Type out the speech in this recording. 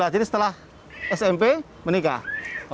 jadi setelah smp menikah